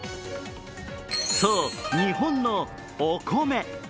そう、日本のお米。